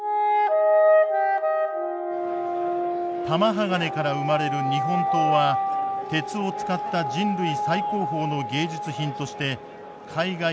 玉鋼から生まれる日本刀は鉄を使った人類最高峰の芸術品として海外でも高い評価を獲得している。